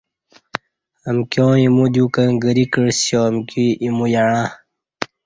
امکیاں ایمو دیوکں گری کعسیہ امکی ایمو یعݩہ